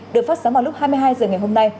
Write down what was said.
được phát sóng vào lúc hai mươi hai h ngày hôm nay